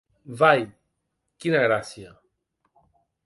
Vai, quina gràcia!